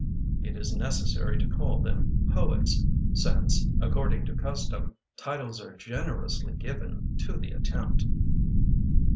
(It is necessary to call them " poets " Since, according to custom, Titles are generously given to the attempt.)